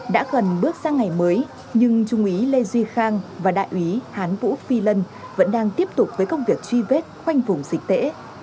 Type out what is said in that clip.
đã gần bước sang ngày mới nhưng trung úy lê duy khang và đại úy hán vũ phi lân vẫn đang tiếp tục với công việc truy vết khoanh vùng dịch tễ